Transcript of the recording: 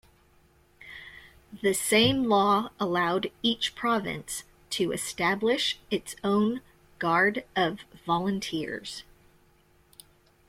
The same law allowed each province to establish its own "Guard of Volunteers".